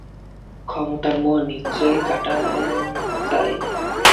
ক্ষমতার মোহ নিশ্চয়ই কাটান চাই।